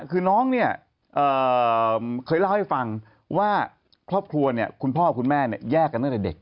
คือน้องเนี่ยเคยเล่าให้ฟังว่าครอบครัวเนี่ยคุณพ่อคุณแม่แยกกันตั้งแต่เด็ก